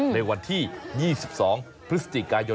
ในวันที่๒๒พฤสุทธิกายท์ยนนี้